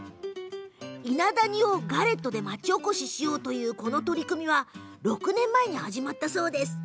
伊那谷をガレットで町おこししようというこの取り組みは６年前に始まったそうなんです。